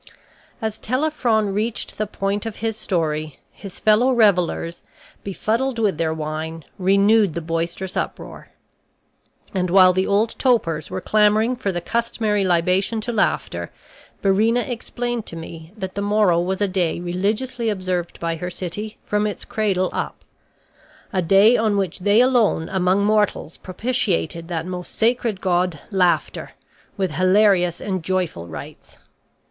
As Telephron reached the point of his story, his fellow revelers, befuddled with their wine, renewed the boisterous uproar. And while the old topers were clamoring for the customary libation to laughter, Byrrhæna explained to me that the morrow was a day religiously observed by her city from its cradle up; a day on which they alone among mortals propitiated that most sacred god, Laughter, with hilarious and joyful rites.